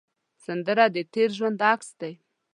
سندره د تېر ژوند عکس دی